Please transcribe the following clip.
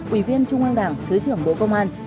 ủy viên trung an đảng thứ trưởng bộ công an